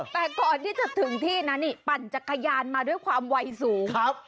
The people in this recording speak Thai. แต่ก่อนที่จะถึงที่นะนี่ปั่นจักรยานมาด้วยความวัยสูงครับ